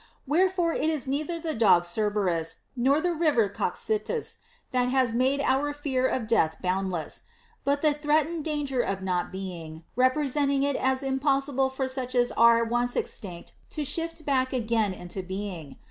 Wherefore it is neither the dog Cerberus nor the river Cocytus that has made our fear of death bound less ; but the threatened danger of not being, represent ing it as impossible for such as are once extinct to shift back again into being.